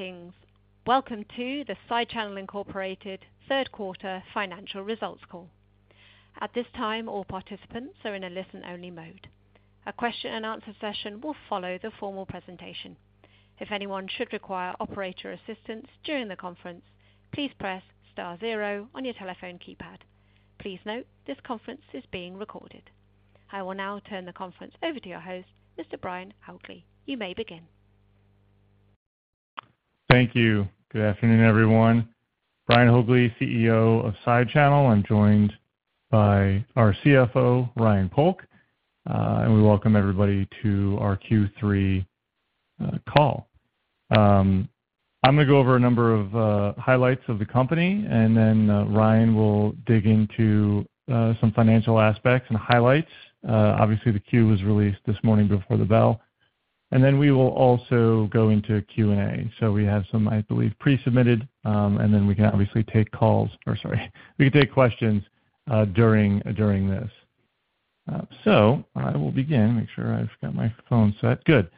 Greetings. Welcome to the SideChannel Incorporated Third Quarter Financial Results Call. At this time, all participants are in a listen-only mode. A question-and-answer session will follow the formal presentation. If anyone should require operator assistance during the conference, please press star zero on your telephone keypad. Please note, this conference is being recorded. I will now turn the conference over to your host, Mr. Brian Haugli. You may begin. Thank you. Good afternoon, everyone. Brian Haugli, CEO of SideChannel, I'm joined by our CFO, Ryan Polk, we welcome everybody to our Q3 call. I'm gonna go over a number of highlights of the company, then Ryan will dig into some financial aspects and highlights. Obviously, the Q was released this morning before the bell, then we will also go into Q&A. We have some, I believe, pre-submitted, then we can obviously take calls or, sorry, we can take questions during, during this. I will begin. Make sure I've got my phone set. Good.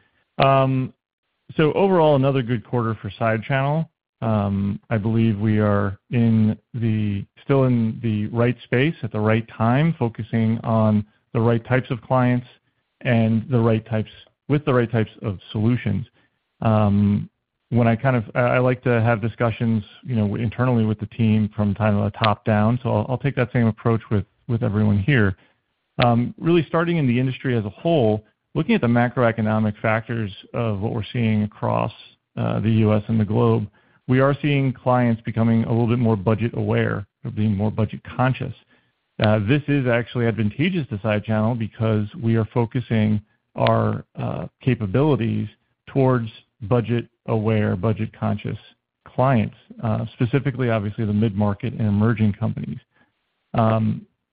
Overall, another good quarter for SideChannel. I believe we are in the- still in the right space at the right time, focusing on the right types of clients and the right types with the right types of solutions. When I kind of, I like to have discussions, you know, internally with the team from kind of a top down. So I'll, I'll take that same approach with, with everyone here. Really starting in the industry as a whole, looking at the macroeconomic factors of what we're seeing across the U.S. and the globe, we are seeing clients becoming a little bit more budget aware or being more budget conscious. This is actually advantageous to SideChannel because we are focusing our capabilities towards budget-aware, budget-conscious clients, specifically, obviously, the mid-market and emerging companies.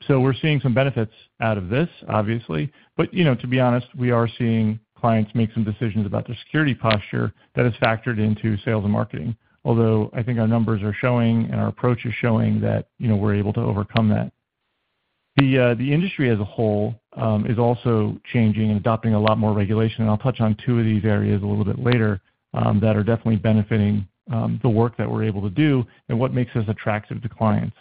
We're seeing some benefits out of this, obviously, but, you know, to be honest, we are seeing clients make some decisions about their security posture that is factored into sales and marketing. I think our numbers are showing and our approach is showing that, you know, we're able to overcome that. The industry as a whole is also changing and adopting a lot more regulation. I'll touch on two of these areas a little bit later that are definitely benefiting the work that we're able to do and what makes us attractive to clients.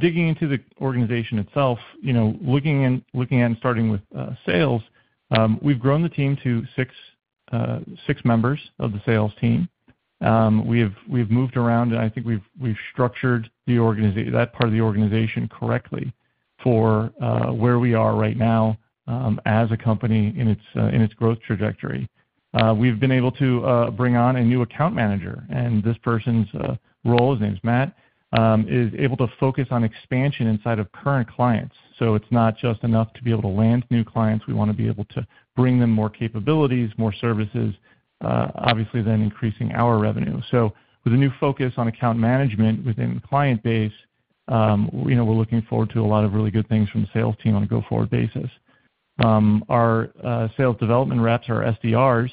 Digging into the organization itself, you know, looking at and starting with sales, we've grown the team to 6, 6 members of the sales team. We've, we've moved around, and I think we've, we've structured that part of the organization correctly for where we are right now, as a company in its growth trajectory. we've been able to bring on a new account manager, and this person's role, his name is Matt, is able to focus on expansion inside of current clients. It's not just enough to be able to land new clients. We wanna be able to bring them more capabilities, more services, obviously, then increasing our revenue. With a new focus on account management within the client base, you know, we're looking forward to a lot of really good things from the sales team on a go-forward basis. Our sales development reps or SDRs,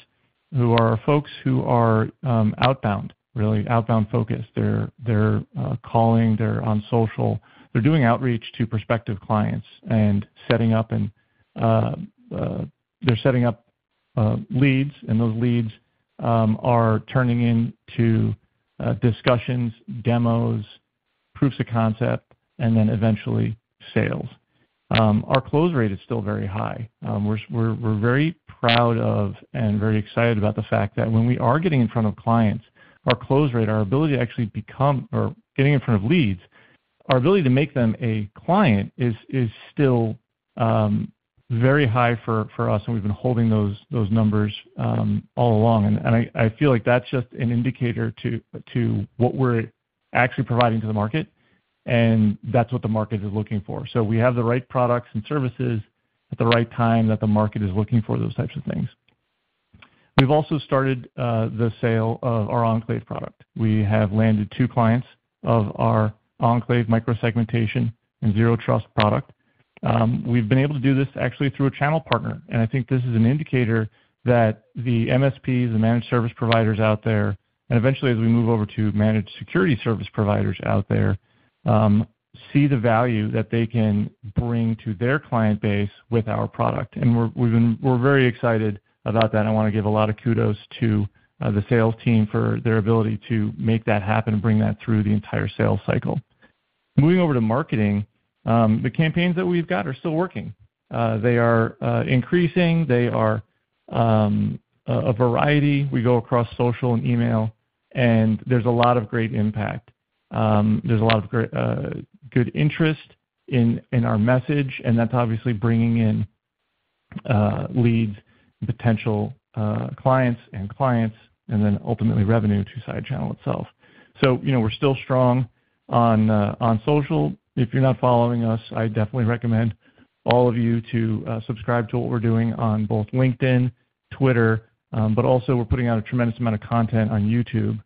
who are folks who are outbound, really outbound focused. They're, they're calling, they're on social. They're doing outreach to prospective clients and setting up. They're setting up leads, and those leads are turning into discussions, demos, proofs of concept, and then eventually sales. Our close rate is still very high. We're, we're, we're very proud of and very excited about the fact that when we are getting in front of clients, our close rate, our ability to actually become or getting in front of leads, our ability to make them a client is, is still very high for, for us, and we've been holding those, those numbers all along. I, I feel like that's just an indicator to, to what we're actually providing to the market, and that's what the market is looking for. We have the right products and services at the right time that the market is looking for those types of things. We've also started the sale of our Enclave product. We have landed 2 clients of our Enclave Microsegmentation and Zero Trust product. We've been able to do this actually through a channel partner, and I think this is an indicator that the MSPs, the Managed Service Providers out there, and eventually, as we move over to Managed Security Service Providers out there, see the value that they can bring to their client base with our product. We're very excited about that. I wanna give a lot of kudos to the sales team for their ability to make that happen and bring that through the entire sales cycle. Moving over to marketing, the campaigns that we've got are still working. They are increasing. They are a variety. We go across social and email, and there's a lot of great impact. There's a lot of great good interest in our message, and that's obviously bringing in leads, potential clients and clients, and then ultimately revenue to SideChannel itself. You know, we're still strong on social. If you're not following us, I definitely recommend all of you to subscribe to what we're doing on both LinkedIn, Twitter, but also we're putting out a tremendous amount of content on YouTube,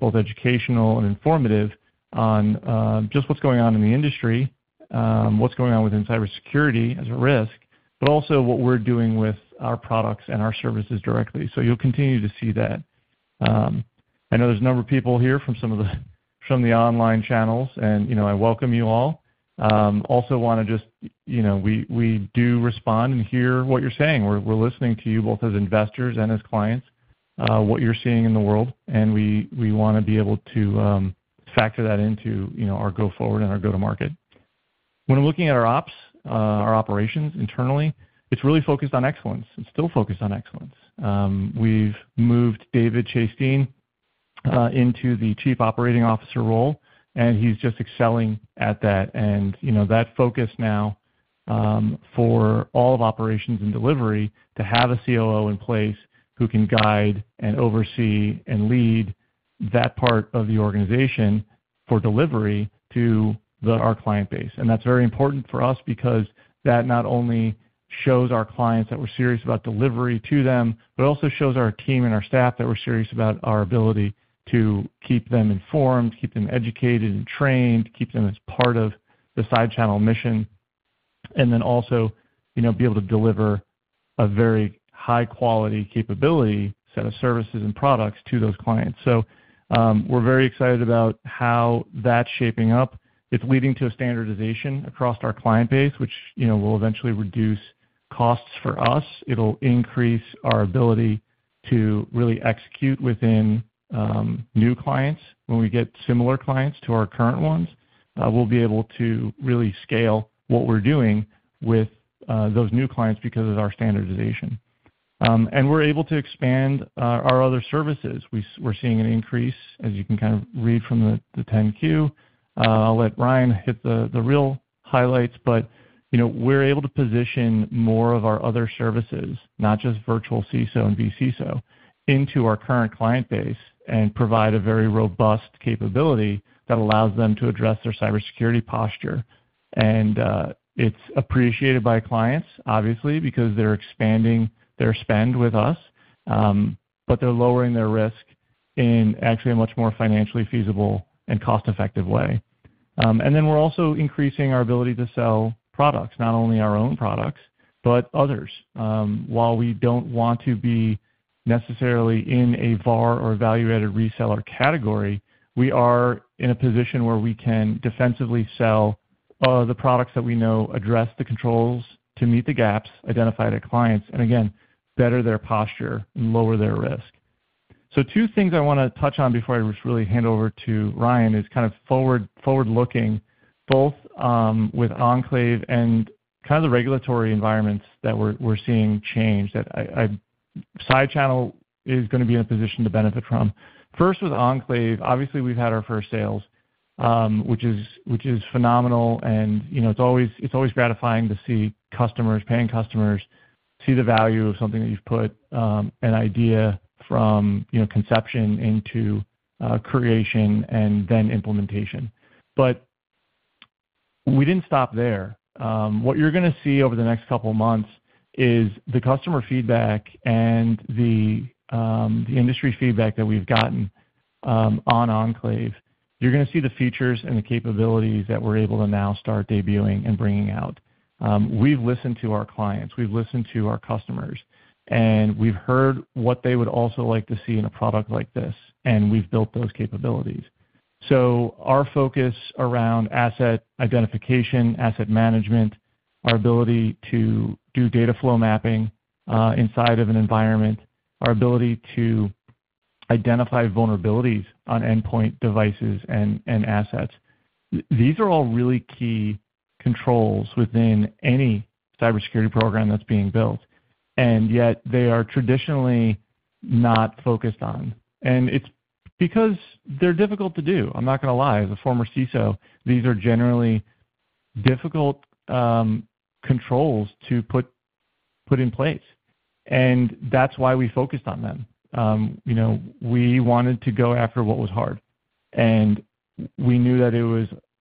both educational and informative, on just what's going on in the industry, what's going on within cybersecurity as a risk, but also what we're doing with our products and our services directly. You'll continue to see that. I know there's a number of people here from some of the, from the online channels, and, you know, I welcome you all. Also wanna just, you know, we, we do respond and hear what you're saying. We're, we're listening to you both as investors and as clients, what you're seeing in the world, and we, we wanna be able to factor that into, you know, our go forward and our go-to-market. When looking at our ops, our operations internally, it's really focused on excellence. It's still focused on excellence. We've moved David Chasteen into the chief operating officer role, and he's just excelling at that. You know, that focus now for all of operations and delivery, to have a COO in place who can guide and oversee and lead that part of the organization for delivery to the our client base. That's very important for us because that not only shows our clients that we're serious about delivery to them, but also shows our team and our staff that we're serious about our ability to keep them informed, keep them educated and trained, keep them as part of the SideChannel mission, and then also, you know, be able to deliver a very high-quality capability set of services and products to those clients. We're very excited about how that's shaping up. It's leading to a standardization across our client base, which, you know, will eventually reduce costs for us. It'll increase our ability to really execute within new clients. When we get similar clients to our current ones, we'll be able to really scale what we're doing with those new clients because of our standardization. We're able to expand our, our other services. We're seeing an increase, as you can kind of read from the 10-Q. I'll let Ryan hit the real highlights, but, you know, we're able to position more of our other services, not just virtual CISO and vCISO, into our current client base and provide a very robust capability that allows them to address their cybersecurity posture. It's appreciated by clients, obviously, because they're expanding their spend with us, but they're lowering their risk in actually a much more financially feasible and cost-effective way. Then we're also increasing our ability to sell products, not only our own products, but others. While we don't want to be necessarily in a VAR or evaluated reseller category, we are in a position where we can defensively sell the products that we know address the controls to meet the gaps, identify their clients, and again, better their posture and lower their risk. Two things I wanna touch on before I just really hand over to Ryan is kind of forward, forward-looking, both with Enclave and kind of the regulatory environments that we're, we're seeing change, that SideChannel is gonna be in a position to benefit from. First, with Enclave, obviously, we've had our first sales, which is, which is phenomenal, and, you know, it's always, it's always gratifying to see customers, paying customers, see the value of something that you've put an idea from, you know, conception into creation and then implementation. We didn't stop there. What you're gonna see over the next couple of months is the customer feedback and the industry feedback that we've gotten on Enclave. You're gonna see the features and the capabilities that we're able to now start debuting and bringing out. We've listened to our clients, we've listened to our customers, and we've heard what they would also like to see in a product like this, and we've built those capabilities. Our focus around asset identification, asset management, our ability to do data flow mapping inside of an environment, our ability to identify vulnerabilities on endpoint devices and, and assets, these are all really key controls within any cybersecurity program that's being built, and yet they are traditionally not focused on. It's because they're difficult to do. I'm not gonna lie. As a former CISO, these are generally difficult controls to put, put in place, and that's why we focused on them. You know, we wanted to go after what was hard, and we knew that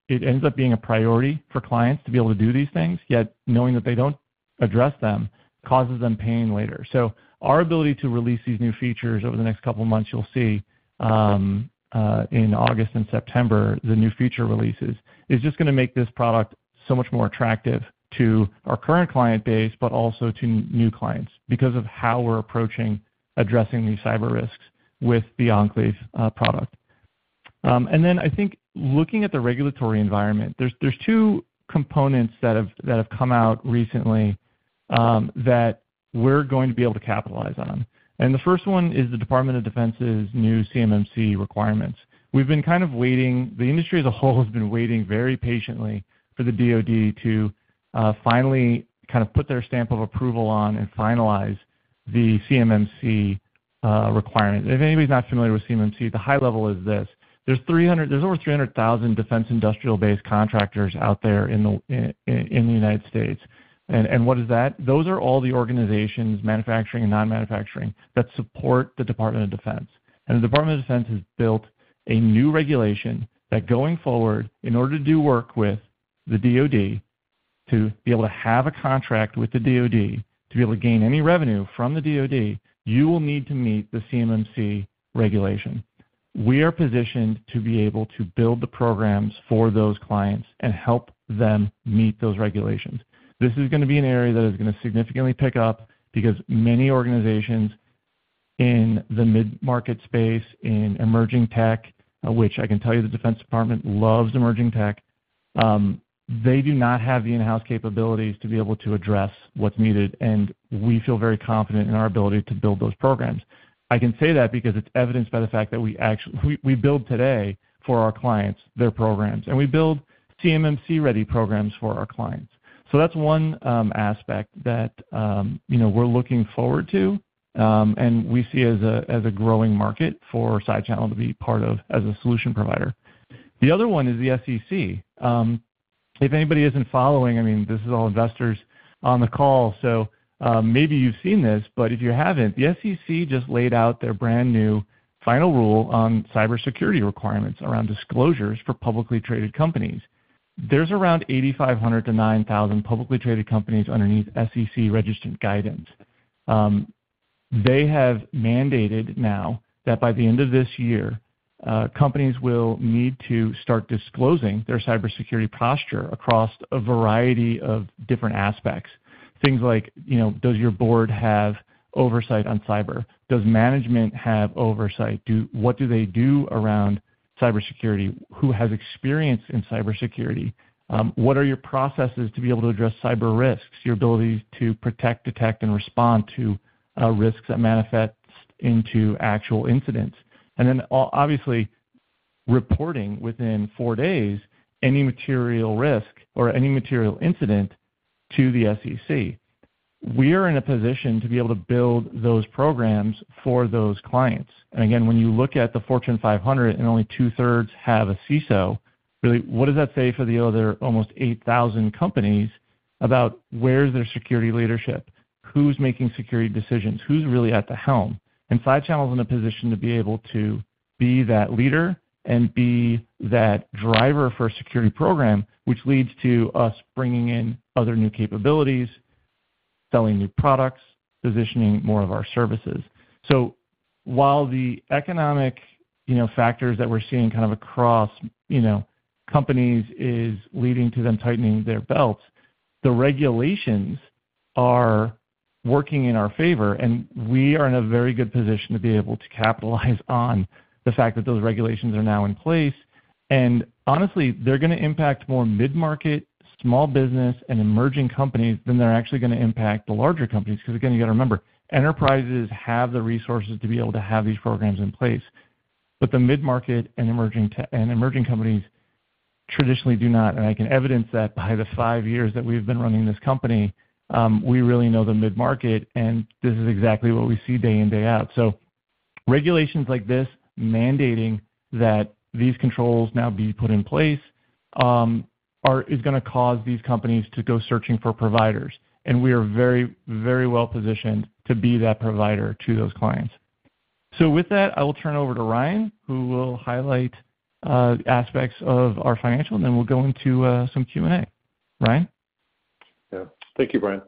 it ends up being a priority for clients to be able to do these things, yet knowing that they don't address them causes them pain later. Our ability to release these new features over the next couple of months, you'll see in August and September, the new feature releases, is just gonna make this product so much more attractive to our current client base, but also to new clients because of how we're approaching addressing these cyber risks with the Enclave product. Then I think looking at the regulatory environment, there's, there's two components that have, that have come out recently that we're going to be able to capitalize on. The first one is the Department of Defense's new CMMC requirements. We've been kind of waiting-- the industry as a whole has been waiting very patiently for the DoD to finally kind of put their stamp of approval on and finalize the CMMC requirement. If anybody's not familiar with CMMC, the high level is this: there's 300-- there's over 300,000 Defense Industrial Base contractors out there in the, in, in the United States. What is that? Those are all the organizations, manufacturing and non-manufacturing, that support the Department of Defense. The Department of Defense has built a new regulation that, going forward, in order to do work with the DoD, to be able to have a contract with the DoD, to be able to gain any revenue from the DoD, you will need to meet the CMMC regulation. We are positioned to be able to build the programs for those clients and help them meet those regulations. This is going to be an area that is going to significantly pick up because many organizations in the mid-market space, in emerging tech, which I can tell you, the Defense Department loves emerging tech. They do not have the in-house capabilities to be able to address what's needed, and we feel very confident in our ability to build those programs. I can say that because it's evidenced by the fact that we actually build today for our clients, their programs, and we build CMMC-ready programs for our clients. That's one aspect that, you know, we're looking forward to, and we see as a, as a growing market for SideChannel to be part of as a solution provider. The other one is the SEC. If anybody isn't following, I mean, this is all investors on the call, so, maybe you've seen this, but if you haven't, the SEC just laid out their brand-new final rule on cybersecurity requirements around disclosures for publicly traded companies. There's around 8,500-9,000 publicly traded companies underneath SEC-registered guidance. They have mandated now that by the end of this year, companies will need to start disclosing their cybersecurity posture across a variety of different aspects. Things like, you know, does your board have oversight on cyber? Does management have oversight? What do they do around cybersecurity? Who has experience in cybersecurity? What are your processes to be able to address cyber risks, your ability to protect, detect, and respond to risks that manifest into actual incidents? Obviously, reporting within 4 days any material risk or any material incident to the SEC. We are in a position to be able to build those programs for those clients. Again, when you look at the Fortune 500 and only two-thirds have a CISO, really, what does that say for the other almost 8,000 companies about where's their security leadership? Who's making security decisions? Who's really at the helm? SideChannel is in a position to be able to be that leader and be that driver for a security program, which leads to us bringing in other new capabilities, selling new products, positioning more of our services. While the economic, you know, factors that we're seeing kind of across, you know, companies is leading to them tightening their belts, the regulations are working in our favor, and we are in a very good position to be able to capitalize on the fact that those regulations are now in place. Honestly, they're gonna impact more mid-market, small business, and emerging companies than they're actually gonna impact the larger companies. Because, again, you got to remember, enterprises have the resources to be able to have these programs in place, but the mid-market and emerging and emerging companies traditionally do not. I can evidence that by the 5 years that we've been running this company, we really know the mid-market, and this is exactly what we see day in, day out. Regulations like this, mandating that these controls now be put in place, is gonna cause these companies to go searching for providers, and we are very, very well positioned to be that provider to those clients. With that, I will turn it over to Ryan, who will highlight aspects of our financial, and then we'll go into some Q&A. Ryan? Yeah. Thank you, Brian.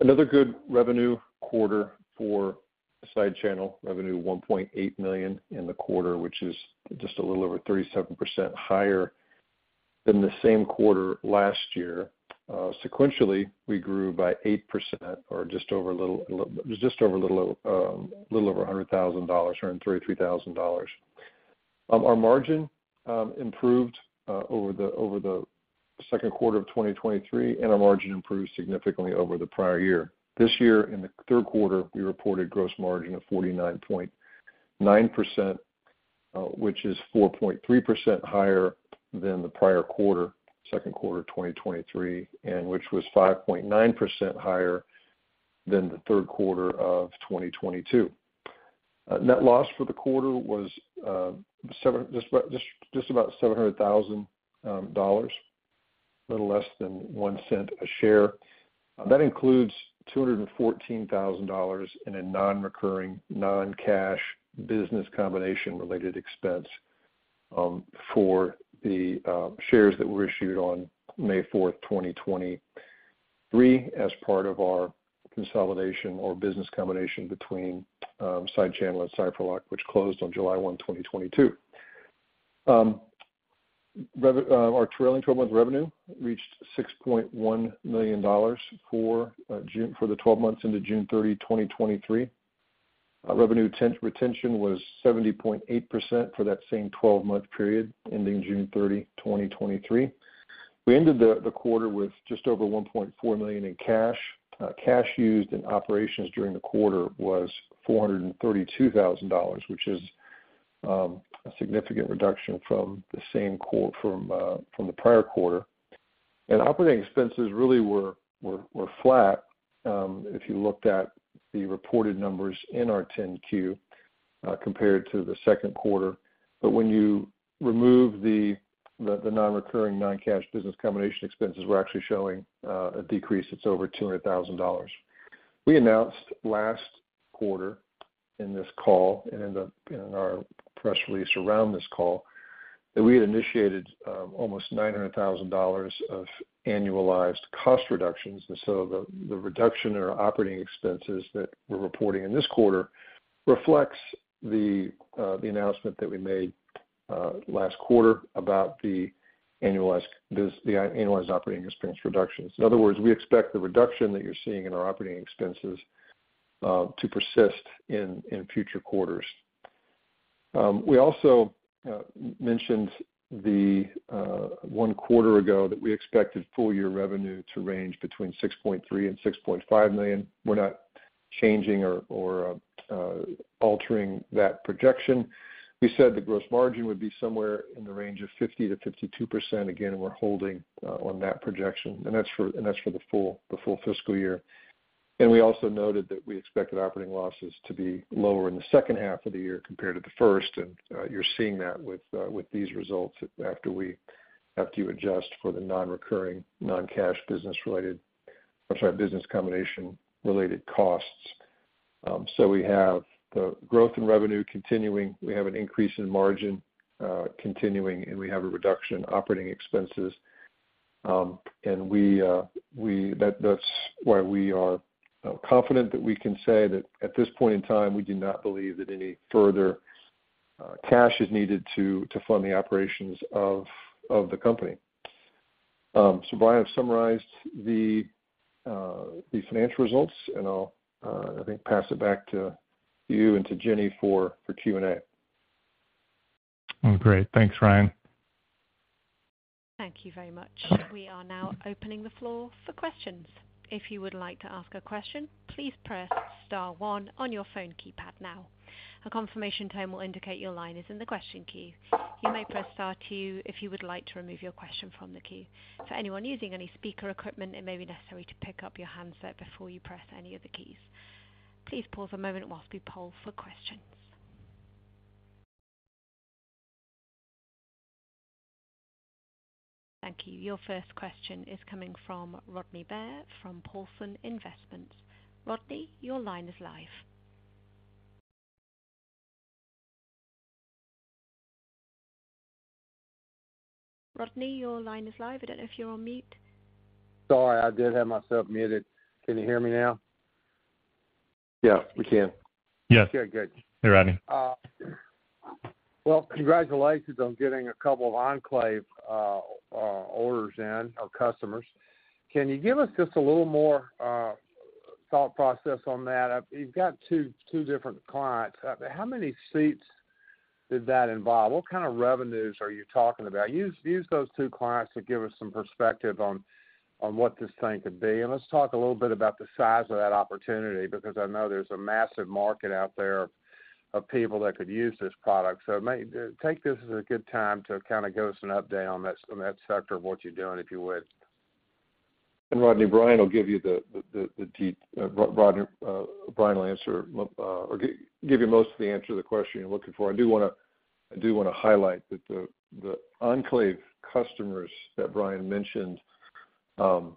Another good revenue quarter for SideChannel. Revenue $1.8 million in the quarter, which is just a little over 37% higher than the same quarter last year. Sequentially, we grew by 8%, or little over $100,000, around $33,000. Our margin improved over the second quarter of 2023, and our margin improved significantly over the prior year. This year, in the third quarter, we reported gross margin of 49.9%, which is 4.3% higher than the prior quarter, second quarter of 2023, and which was 5.9% higher than the third quarter of 2022. Net loss for the quarter was just about $700,000, a little less than $0.01 a share. That includes $214,000 in a nonrecurring, non-cash business combination-related expense for the shares that were issued on May 4, 2023, as part of our consolidation or business combination between SideChannel and Cipherloc, which closed on July 1, 2022. Our trailing twelve-month revenue reached $6.1 million for June- for the twelve months into June 30, 2023. Our revenue retention was 70.8% for that same twelve-month period ending June 30, 2023. We ended the quarter with just over $1.4 million in cash. Cash used in operations during the quarter was $432,000, which is a significant reduction from the same quarter from the prior quarter. Operating expenses really were flat if you looked at the reported numbers in our 10-Q compared to the second quarter. When you remove the nonrecurring, non-cash business combination expenses, we're actually showing a decrease that's over $200,000. We announced last quarter in this call, and in our press release around this call, that we had initiated almost $900,000 of annualized cost reductions. The reduction in our operating expenses that we're reporting in this quarter reflects the announcement that we made last quarter about the annualized operating expense reductions. In other words, we expect the reduction that you're seeing in our operating expenses to persist in future quarters. We also mentioned one quarter ago that we expected full year revenue to range between $6.3 million and $6.5 million. We're not changing or altering that projection. We said the gross margin would be somewhere in the range of 50%-52%. Again, we're holding on that projection, and that's for, and that's for the full, the full fiscal year. We also noted that we expected operating losses to be lower in the second half of the year compared to the first. You're seeing that with these results after you adjust for the nonrecurring, non-cash, business combination-related costs. We have the growth in revenue continuing. We have an increase in margin, continuing, and we have a reduction in operating expenses. That's why we are confident that we can say that at this point in time, we do not believe that any further cash is needed to fund the operations of the company. Brian, I've summarized the financial results, and I'll, I think, pass it back to you and to Jenny for Q&A. Great. Thanks, Ryan. Thank you very much. We are now opening the floor for questions. If you would like to ask a question, please press star one on your phone keypad now. A confirmation tone will indicate your line is in the question queue. You may press star two if you would like to remove your question from the queue. For anyone using any speaker equipment, it may be necessary to pick up your handset before you press any of the keys. Please pause a moment whilst we poll for questions. Thank you. Your first question is coming from Rodney Baber from Paulson Investment Company. Rodney, your line is live. Rodney, your line is live. I don't know if you're on mute. Sorry, I did have myself muted. Can you hear me now? Yeah, we can. Yes. Okay, good. Hey, Rodney. Well, congratulations on getting a couple of Enclave orders in, or customers. Can you give us just a little more thought process on that? You've got two, two different clients. How many seats does that involve? What kind of revenues are you talking about? Use, use those two clients to give us some perspective on, on what this thing could be. Let's talk a little bit about the size of that opportunity, because I know there's a massive market out there of people that could use this product. Take this as a good time to kind of give us an update on that, on that sector of what you're doing, if you would. Rodney, Brian will give you the deep... Rodney, Brian will answer or give you most of the answer to the question you're looking for. I do wanna, I do wanna highlight that the Enclave customers that Brian mentioned, we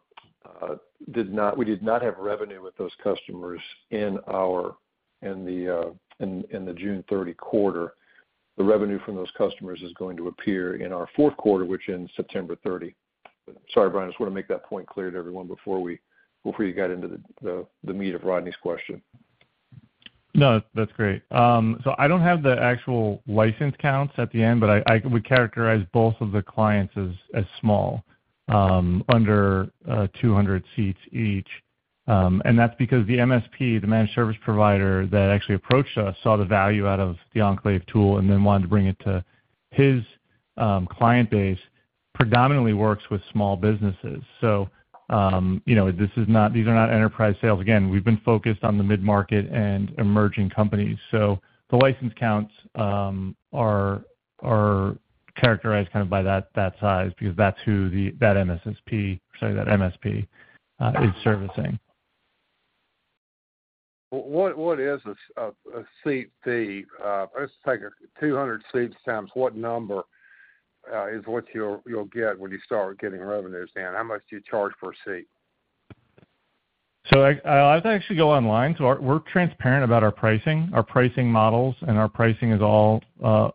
did not have revenue with those customers in our, in the June 30 quarter. The revenue from those customers is going to appear in our fourth quarter, which ends September 30. Sorry, Brian, I just want to make that point clear to everyone before we, before you got into the meat of Rodney's question. No, that's great. I don't have the actual license counts at the end, but We characterize both of the clients as, as small, under 200 seats each. That's because the MSP, the managed service provider that actually approached us, saw the value out of the Enclave tool and then wanted to bring it to his client base, predominantly works with small businesses. you know, this is not, these are not enterprise sales. Again, we've been focused on the mid-market and emerging companies. The license counts are, are characterized kind of by that, that size, because that's who the, that MSSP, sorry, that MSP, is servicing. What, what is a seat fee? Let's take 200 seats times what number is what you'll get when you start getting revenues in. How much do you charge for a seat? I, I'd actually go online. Our- we're transparent about our pricing. Our pricing models and our pricing is all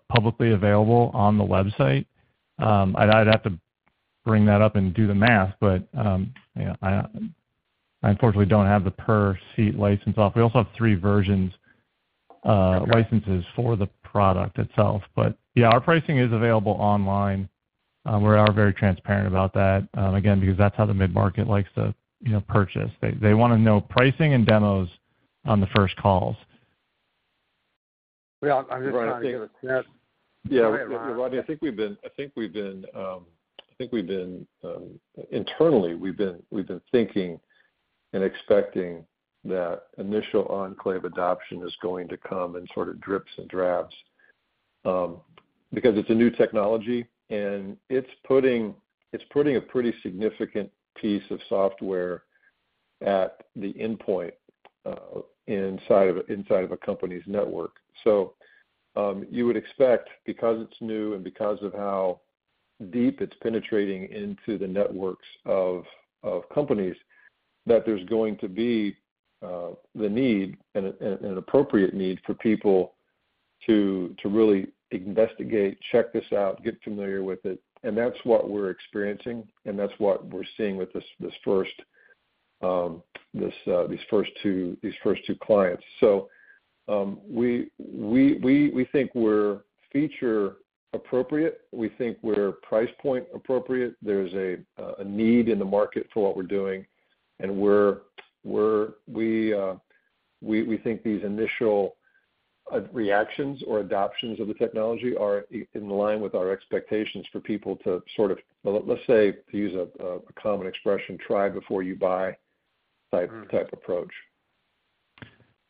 publicly available on the website. I'd, I'd have to bring that up and do the math, but yeah, I, I unfortunately don't have the per seat license off. We also have 3 versions. Okay. licenses for the product itself. Yeah, our pricing is available online. We are very transparent about that, again, because that's how the mid-market likes to, you know, purchase. They, they wanna know pricing and demos on the first calls. Well, I'm just trying to get a sense. Yeah, Rodney, I think we've been, I think we've been, I think we've been. Internally, we've been, we've been thinking and expecting that initial Enclave adoption is going to come in sort of drips and drabs, because it's a new technology and it's putting, it's putting a pretty significant piece of software at the endpoint, inside of, inside of a company's network. You would expect, because it's new and because of how deep it's penetrating into the networks of, of companies, that there's going to be, the need, and, and an appropriate need for people to, to really investigate, check this out, get familiar with it. That's what we're experiencing and that's what we're seeing with this, these first two, these first two clients. We, we, think we're feature appropriate. We think we're price point appropriate. There's a need in the market for what we're doing, and we're, we think these initial reactions or adoptions of the technology are in line with our expectations for people to sort of, let, let's say, to use a common expression, try before you buy type, type approach.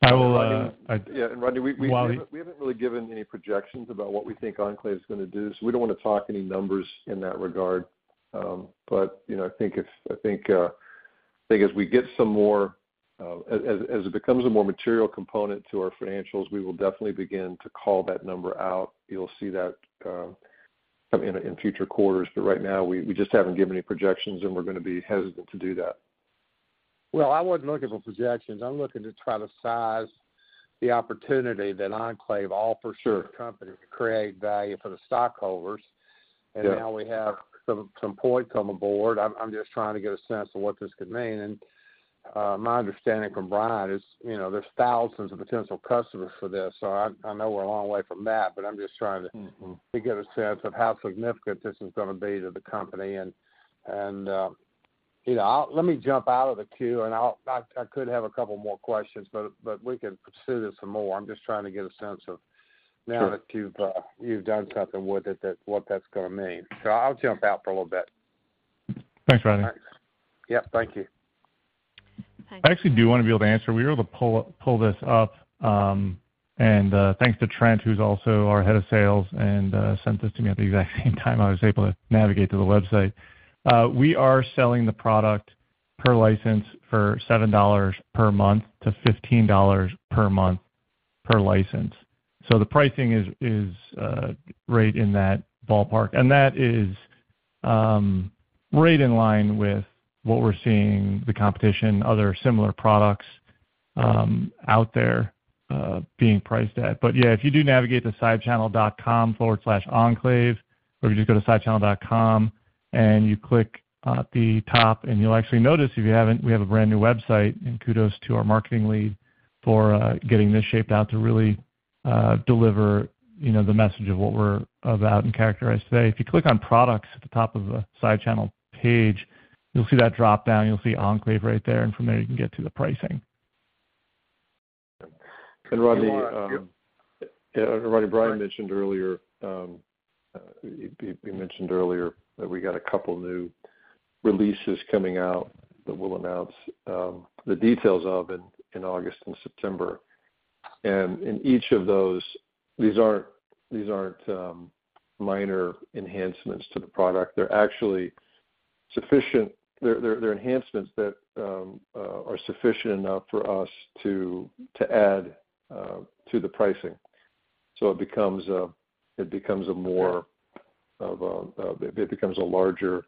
I will. Yeah, Rodney, we. Wally. We haven't really given any projections about what we think Enclave is gonna do, so we don't wanna talk any numbers in that regard. You know, I think it's, I think, I think as we get some more. As it becomes a more material component to our financials, we will definitely begin to call that number out. You'll see that in, in future quarters, but right now, we just haven't given any projections, and we're gonna be hesitant to do that. Well, I wasn't looking for projections. I'm looking to try to size the opportunity that Enclave offers- Sure your company to create value for the stockholders. Yeah. Now we have some, some points come aboard. I'm just trying to get a sense of what this could mean. My understanding from Brian is, you know, there's thousands of potential customers for this. I know we're a long way from that, but I'm just trying to Mm-hmm to get a sense of how significant this is gonna be to the company. And, you know, I'll-- let me jump out of the queue, and I'll I, I could have a couple more questions, but, but we can pursue this some more. I'm just trying to get a sense of Sure now that you've, you've done something with it, that what that's gonna mean. I'll jump out for a little bit. Thanks, Rodney. Thanks. Yeah, thank you. Thanks. I actually do want to be able to answer. We were able to pull, pull this up, thanks to Trent, who's also our head of sales, and sent this to me at the exact same time I was able to navigate to the website. We are selling the product per license for $7 per month-$15 per month, per license. The pricing is, is, right in that ballpark. That is, right in line with what we're seeing the competition, other similar products, out there, being priced at. Yeah, if you do navigate to sidechannel.com/Enclave, or you just go to sidechannel.com, and you click at the top, and you'll actually notice, if you haven't, we have a brand new website, and kudos to our marketing lead for getting this shaped out to really deliver, you know, the message of what we're about and characterize today. If you click on Products at the top of the SideChannel page, you'll see that drop down, you'll see Enclave right there, and from there you can get to the pricing. Rodney. Sure. Yeah, Rodney, Brian mentioned earlier, he, he mentioned earlier that we got a couple new releases coming out that we'll announce the details of in August and September. In each of those, these aren't, these aren't minor enhancements to the product. They're actually, they're, they're, they're enhancements that are sufficient enough for us to add to the pricing. It becomes a, it becomes a larger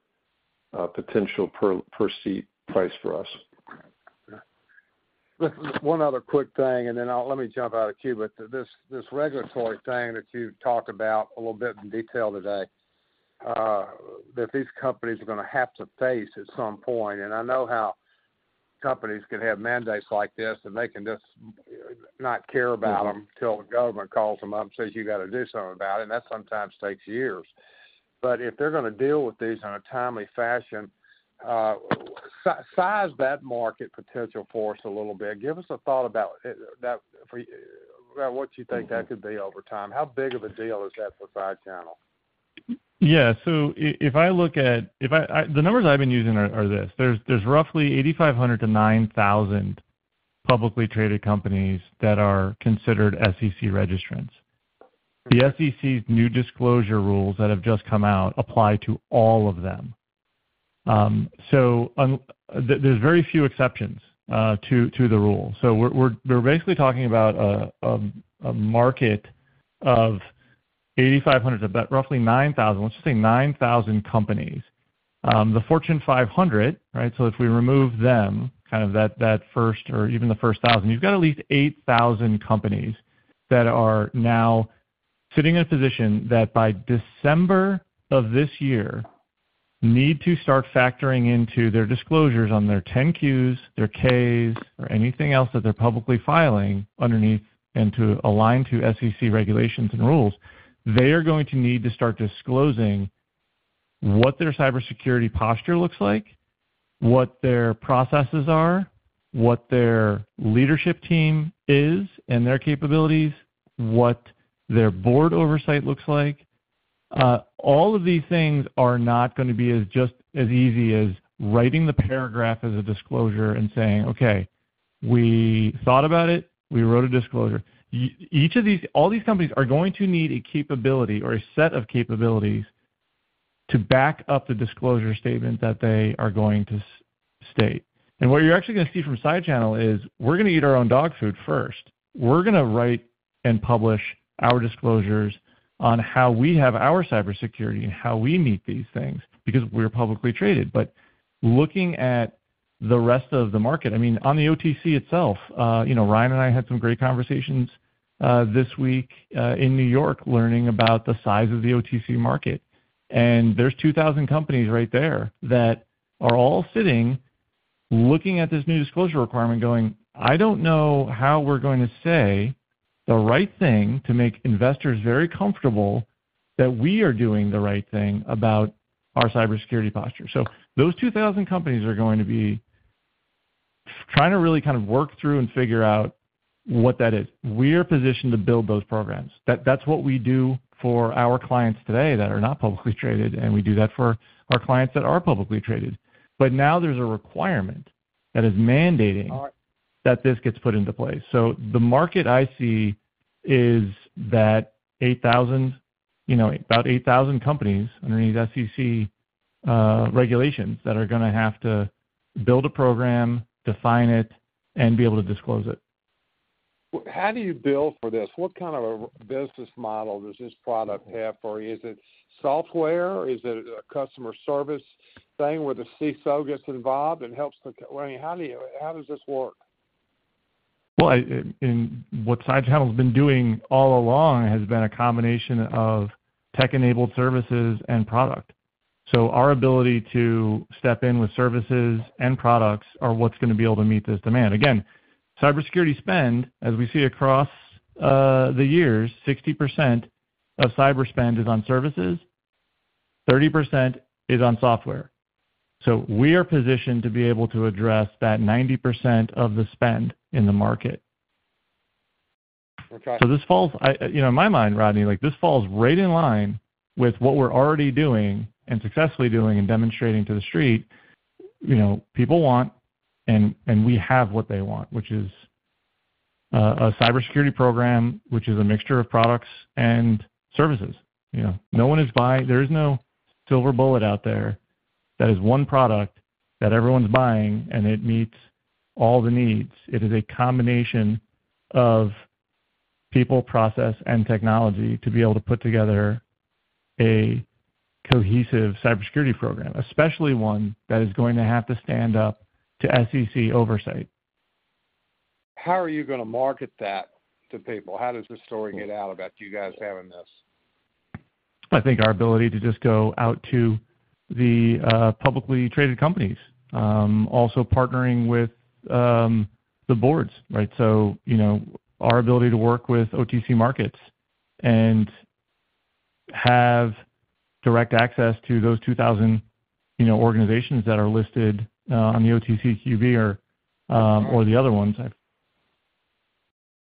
potential per, per seat price for us. One other quick thing, and then I'll-- let me jump out of queue. This, this regulatory thing that you talked about a little bit in detail today, that these companies are gonna have to face at some point, and I know how companies can have mandates like this, and they can just not care about them. Mm-hmm till the government calls them up and says, "You gotta do something about it," and that sometimes takes years. If they're gonna deal with these on a timely fashion, size that market potential for us a little bit. Give us a thought about it, that, for, what you think that could be over time. How big of a deal is that for SideChannel? Yeah, so the numbers I've been using are, are this: there's, there's roughly 8,500 to 9,000 publicly traded companies that are considered SEC registrants. The SEC's new disclosure rules that have just come out apply to all of them. There's very few exceptions, to, to the rule. We're, we're, we're basically talking about a, a market of 8,500, about roughly 9,000, let's just say 9,000 companies. The Fortune 500, right? If we remove them, kind of that, that first or even the 1,000, you've got at least 8,000 companies that are now sitting in a position that by December of this year, need to start factoring into their disclosures on their 10-Qs, their Ks, or anything else that they're publicly filing underneath, and to align to SEC regulations and rules. They are going to need to start disclosing what their cybersecurity posture looks like, what their processes are, what their leadership team is and their capabilities, what their board oversight looks like. All of these things are not gonna be as just as easy as writing the paragraph as a disclosure and saying: Okay, we thought about it, we wrote a disclosure. All these companies are going to need a capability or a set of capabilities to back up the disclosure statement that they are going to state. What you're actually gonna see from SideChannel is, we're gonna eat our own dog food first. We're gonna write and publish our disclosures on how we have our cybersecurity and how we meet these things, because we're publicly traded. Looking at the rest of the market, I mean, on the OTC itself, you know, Ryan and I had some great conversations this week in New York learning about the size of the OTC market. There's 2,000 companies right there that are all sitting, looking at this new disclosure requirement, going: I don't know how we're going to say the right thing to make investors very comfortable that we are doing the right thing about our cybersecurity posture. Those 2,000 companies are going to be trying to really kind of work through and figure out what that is. We're positioned to build those programs. That's what we do for our clients today that are not publicly traded, and we do that for our clients that are publicly traded. Now there's a requirement that is mandating that this gets put into place. The market I see is that 8,000, you know, about 8,000 companies underneath SEC regulations that are gonna have to build a program, define it, and be able to disclose it. How do you bill for this? What kind of a business model does this product have? Is it software? Is it a customer service thing where the CISO gets involved and helps? Well, how do you, how does this work? Well, what Cipherloc has been doing all along has been a combination of tech-enabled services and product. Our ability to step in with services and products are what's going to be able to meet this demand. Again, cybersecurity spend, as we see across the years, 60% of cyber spend is on services, 30% is on software. We are positioned to be able to address that 90% of the spend in the market. Okay. This falls, You know, in my mind, Rodney, like, this falls right in line with what we're already doing, and successfully doing and demonstrating to the street. You know, people want, and we have what they want, which is, a cybersecurity program, which is a mixture of products and services. You know, no one is buying. There is no silver bullet out there that is one product that everyone's buying, and it meets all the needs. It is a combination of people, process, and technology to be able to put together a cohesive cybersecurity program, especially one that is going to have to stand up to SEC oversight. How are you gonna market that to people? How does this story get out about you guys having this? I think our ability to just go out to the publicly traded companies, also partnering with the boards, right? You know, our ability to work with OTC Markets and have direct access to those 2,000, you know, organizations that are listed on the OTCQB or or the other ones.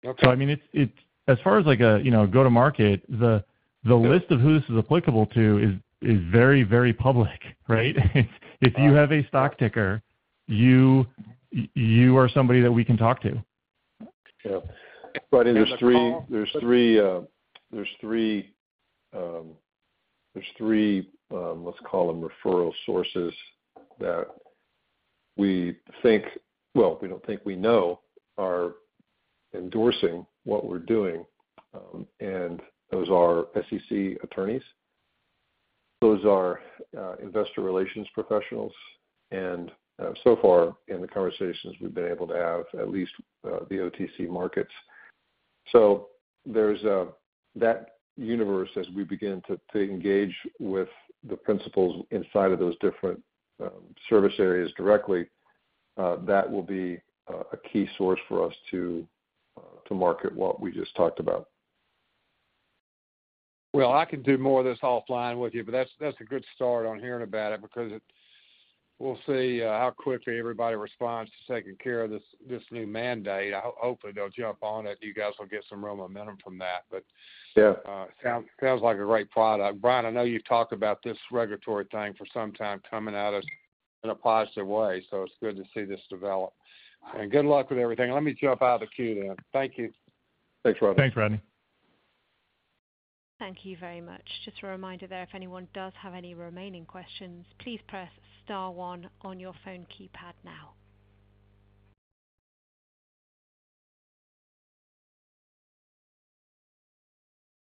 Okay. I mean, it's, it's as far as like a, you know, go-to-market. Yeah. The list of who this is applicable to is very, very public, right? If you have a stock ticker, you, you are somebody that we can talk to. Yeah. There's three, there's three, there's three, there's three, let's call them referral sources that we think. Well, we don't think we know are endorsing what we're doing, and those are SEC attorneys, those are investor relations professionals, and so far in the conversations we've been able to have at least, the OTC Markets. There's that universe as we begin to engage with the principals inside of those different service areas directly, that will be a key source for us to market what we just talked about. Well, I can do more of this offline with you, but that's, that's a good start on hearing about it because it's. We'll see how quickly everybody responds to taking care of this, this new mandate. Hopefully, they'll jump on it. You guys will get some real momentum from that. Yeah. sounds, sounds like a great product. Brian, I know you've talked about this regulatory thing for some time coming at us in a positive way, so it's good to see this develop. Good luck with everything. Let me jump out of the queue then. Thank you. Thanks, Rodney. Thanks, Rodney. Thank you very much. Just a reminder there, if anyone does have any remaining questions, please press star one on your phone keypad now.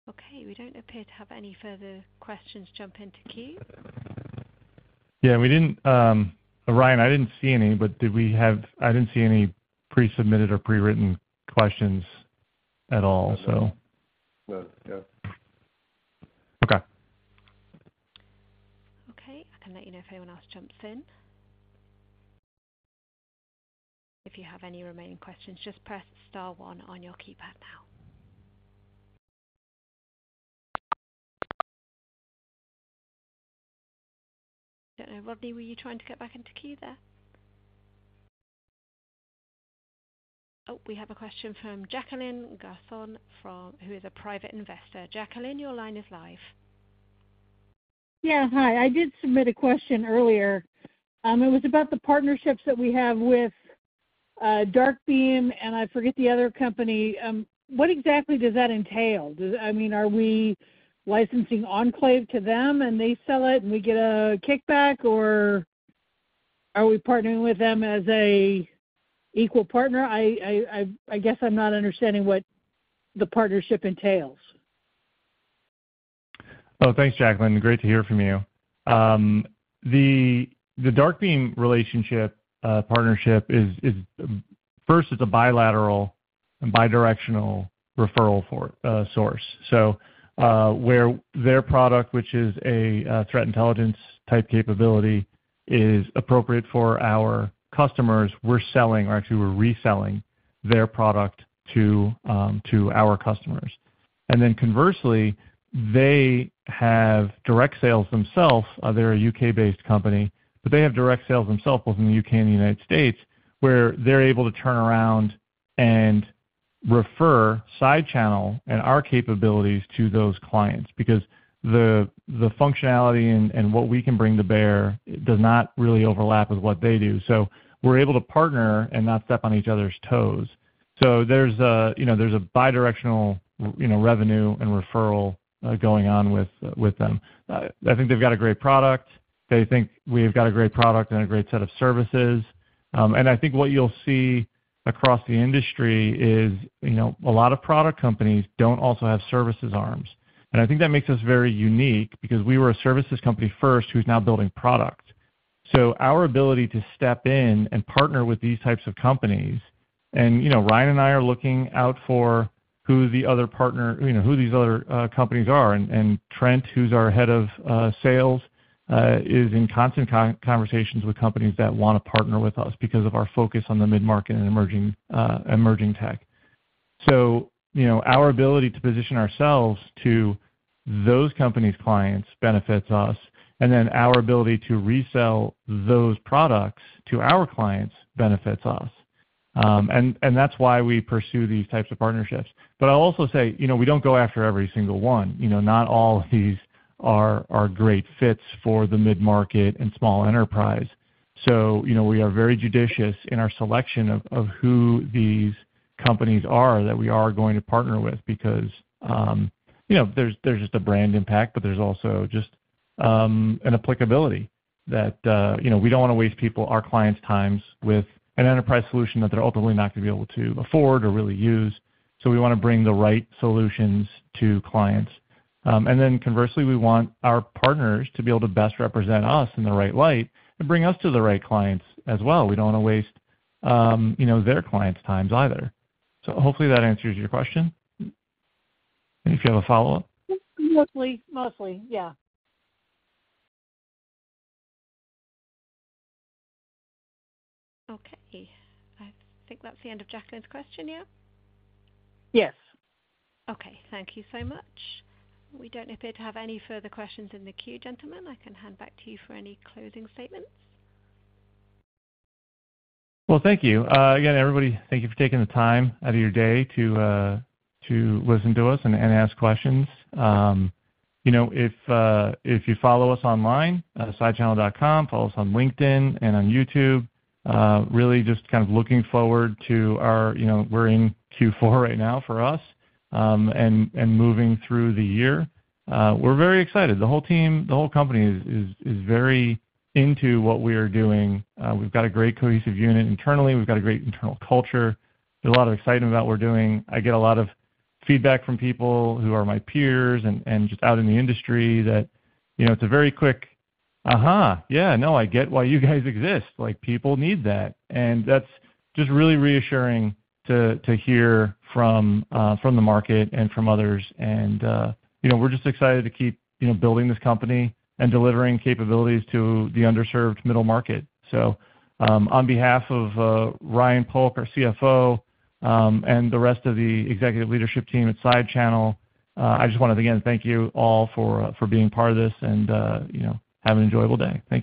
Okay, we don't appear to have any further questions jump into queue. We didn't, Ryan, I didn't see any, but I didn't see any pre-submitted or pre-written questions at all, so. No. Yeah. Okay. Okay. I can let you know if anyone else jumps in. If you have any remaining questions, just press star one on your keypad now. Rodney, were you trying to get back into queue there? Oh, we have a question from Jacqueline Gathon, who is a private investor. Jacqueline, your line is live. Yeah. Hi, I did submit a question earlier. It was about the partnerships that we have with, Darkbeam, and I forget the other company. What exactly does that entail? I mean, are we licensing Enclave to them, and they sell it, and we get a kickback, or are we partnering with them as a equal partner? I guess I'm not understanding what the partnership entails. Oh, thanks, Jacqueline. Great to hear from you. The Darkbeam relationship, partnership is, first, it's a bidirectional referral for source. Where their product, which is a threat intelligence type capability, is appropriate for our customers, we're selling or actually we're reselling their product to our customers. Conversely, they have direct sales themselves. They're a UK-based company, but they have direct sales themselves, both in the U.K. and the United States, where they're able to turn around and refer SideChannel and our capabilities to those clients because the functionality and what we can bring to bear does not really overlap with what they do. We're able to partner and not step on each other's toes. There's a, you know, there's a bidirectional, you know, revenue and referral going on with, with them. I think they've got a great product. They think we've got a great product and a great set of services. I think what you'll see across the industry is, you know, a lot of product companies don't also have services arms. I think that makes us very unique because we were a services company first who's now building product. Our ability to step in and partner with these types of companies, and, you know, Ryan and I are looking out for who these other companies are. Trent, who's our head of sales, is in constant conversations with companies that wanna partner with us because of our focus on the mid-market and emerging emerging tech. You know, our ability to position ourselves to those companies' clients benefits us, and then our ability to resell those products to our clients benefits us. That's why we pursue these types of partnerships. I'll also say, you know, we don't go after every single one. You know, not all of these are great fits for the mid-market and small enterprise. You know, we are very judicious in our selection of, of who these companies are that we are going to partner with because, you know, there's, there's just a brand impact, but there's also just an applicability that, you know, we don't wanna waste people, our clients' times with an enterprise solution that they're ultimately not gonna be able to afford or really use. We wanna bring the right solutions to clients. Then conversely, we want our partners to be able to best represent us in the right light and bring us to the right clients as well. We don't wanna waste, you know, their clients' times either. Hopefully that answers your question. Do you have a follow-up? Mostly. Mostly, yeah. Okay. I think that's the end of Jacqueline's question, yeah? Yes. Okay. Thank you so much. We don't appear to have any further questions in the queue, gentlemen. I can hand back to you for any closing statements. Well, thank you. Again, everybody, thank you for taking the time out of your day to listen to us and ask questions. You know, if you follow us online at sidechannel.com, follow us on LinkedIn and on YouTube, really just kind of looking forward to our you know, we're in Q4 right now for us, and moving through the year. We're very excited. The whole team, the whole company is very into what we are doing. We've got a great cohesive unit internally. We've got a great internal culture. There's a lot of excitement about what we're doing. I get a lot of feedback from people who are my peers and just out in the industry that, you know, it's a very quick, "Aha! Yeah, no, I get why you guys exist. Like, people need that." That's just really reassuring to, to hear from, from the market and from others. You know, we're just excited to keep, you know, building this company and delivering capabilities to the underserved middle market. On behalf of, Ryan Polk, our CFO, and the rest of the executive leadership team at SideChannel, I just wanted to, again, thank you all for, for being part of this and, you know, have an enjoyable day. Thank you.